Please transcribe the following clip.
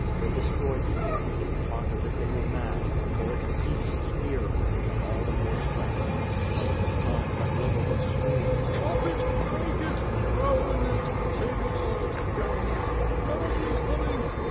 They destroyed the ill fated pont as if they were mad; tore it to pieces, fear lending them all the more strength. All this time Zagloba was 3creaming: "Chop it, break it! Bum it! Save yourselves! Yeremy is coming! Yeremy is coming!"